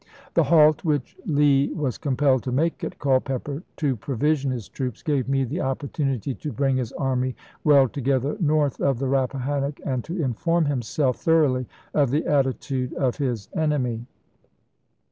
The halt which Lee was compelled to make at Culpeper to provision his troops gave Meade the opportunity to bring his army well together north of the Rappahannock and to inform himself thoroughly of the attitude of his enemy.